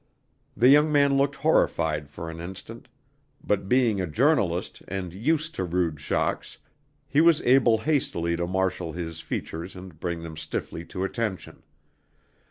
The young man looked horrified for an instant, but being a journalist and used to rude shocks, he was able hastily to marshal his features and bring them stiffly to attention.